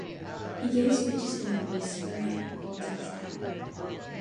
He gave speeches in a whispering, halting style.